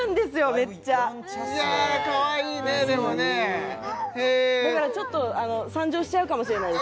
めっちゃかわいいねでもねだからちょっと参上しちゃうかもしれないです